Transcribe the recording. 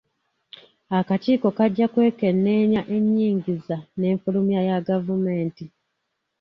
Akakiiko kajja kwekenneenya ennyingiza n'enfulumya ya gavumenti.